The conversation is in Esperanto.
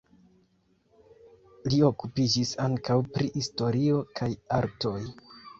Li okupiĝis ankaŭ pri historio kaj artoj.